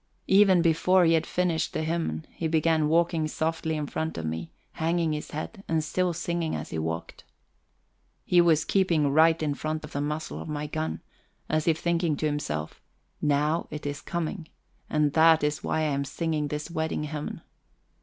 Even before he had finished the hymn he began walking softly in front of me, hanging his head, and still singing as he walked. He was keeping right in front of the muzzle of my gun again, as if thinking to himself: Now it is coming, and that is why I am singing this wedding hymn!